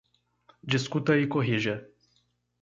Discuta e corrija